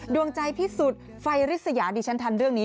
ดวงใจพิสุทธิ์ไฟริสยาดิฉันทำเรื่องนี้